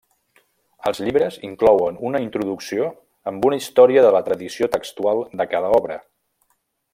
Els llibres inclouen una introducció amb una història de la tradició textual de cada obra.